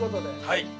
はい。